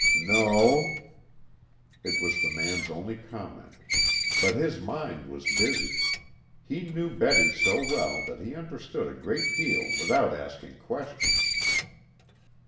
"No." It was the man's only comment. But his mind was busy. He knew Betty so well that he understood a great deal without asking questions.